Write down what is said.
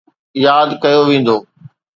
ياد ڪيو ويندو.